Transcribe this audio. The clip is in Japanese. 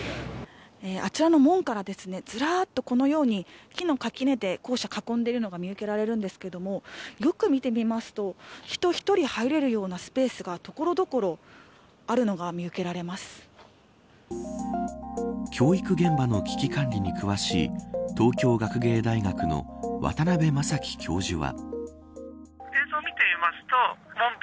あちらの門からずらっとこのように木の垣根で校舎を囲んでいるのが見受けられますがよく見てみますと人１人、入れるスペースが所々教育現場の危機管理に詳しい東京学芸大学の渡邉正樹教授は。